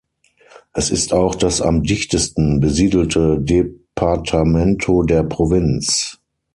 Es ist auch das am dichtesten besiedelte Departamento der Provinz.